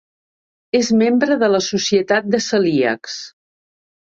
És membre de la Societat de celíacs.